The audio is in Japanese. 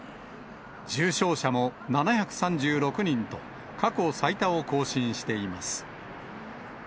重症者も７３６人と、過去最多を更新しています。